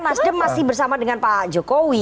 nasdem masih bersama dengan pak jokowi